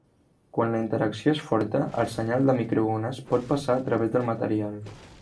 Quan la interacció és forta, el senyal de microones pot passar a través del material.